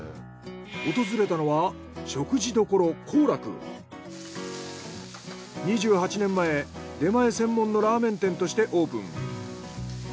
訪れたのは２８年前出前専門のラーメン店としてオープン。